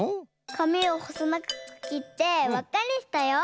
かみをほそながくきってわっかにしたよ。